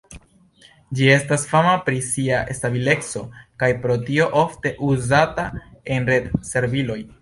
Ĝi estas fama pri sia stabileco, kaj pro tio ofte uzata en ret-serviloj.